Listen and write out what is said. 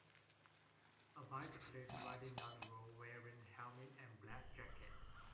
A bicyclist riding down the road wearing helmet and black jacket.